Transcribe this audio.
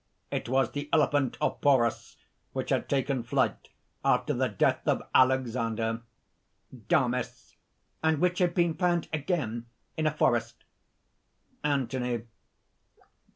It was the elephant of Porus which had taken flight after the death of Alexander." DAMIS. "And which had been found again in a forest." ANTHONY.